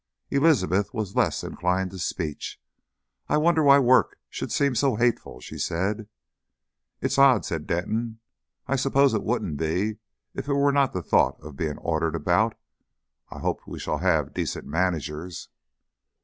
Elizabeth was less inclined to speech. "I wonder why work should seem so hateful," she said. "It's odd," said Denton. "I suppose it wouldn't be if it were not the thought of being ordered about.... I hope we shall have decent managers."